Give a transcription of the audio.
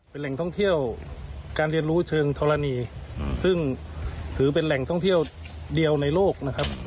เป็นแหล่งท่องเที่ยวการเรียนรู้เชิงธรณีซึ่งถือเป็นแหล่งท่องเที่ยวเดียวในโลกนะครับ